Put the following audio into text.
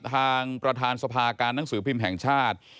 ทางประธานสภาการหนังสือพิมพ์แห่งชาติ